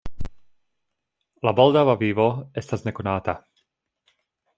La baldaŭa vivo estas nekonata.